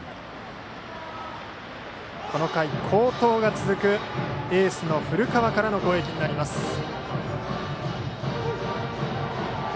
この回、好投が続くエースの古川からの攻撃です。